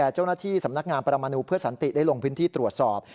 เจ้าหน้าที่สำนักงานประมาณนูเพื่อสันติได้ลงพื้นที่ตรวจสอบ